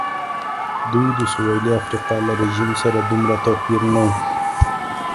دوی د سوېلي افریقا له رژیم سره دومره توپیر نه و.